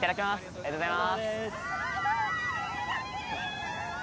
ありがとうございます